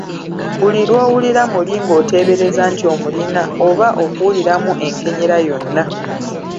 Buli lw’owulira muli ng’oteebereza nti omulina oba okuwuliramu enkenyera yonna.